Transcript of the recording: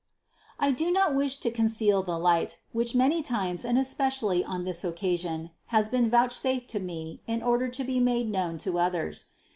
303. I do not wish to conceal the light, which many times and especially on this occasion, has been vouch safed to me in order to be made known to others.